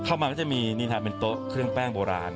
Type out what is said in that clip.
เข้ามาก็จะมีนี่ทำเป็นโต๊ะเครื่องแป้งโบราณ